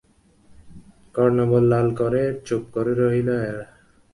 কর্ণমূল লাল করে চুপ করে রইল এলা।